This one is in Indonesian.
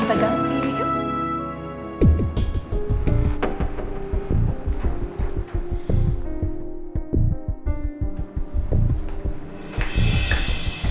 kita ganti yuk